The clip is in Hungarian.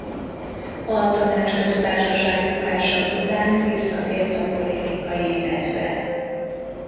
A Tanácsköztársaság bukása után visszatért a politikai életbe.